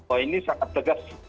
oh ini sangat tegas